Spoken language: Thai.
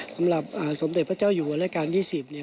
สำหรับสมเด็จพระเจ้าอยู่หัวราชการ๒๐เนี่ย